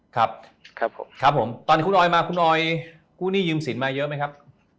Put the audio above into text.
ครับครับผมครับผมตอนนี้คุณออยมาคุณออยกู้หนี้ยืมสินมาเยอะไหมครับ